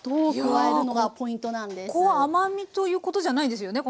ここは甘みということじゃないですよね？